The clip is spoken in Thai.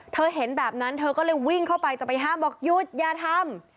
เธอเห็นแบบนั้นเธอก็เลยวิ่งเข้าไปจะไปห้ามบอกหยุดอย่าทำ